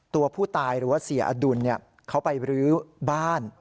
ตัวผู้ตายหรือว่าเสียอดุลเขาไปรื้อบ้าน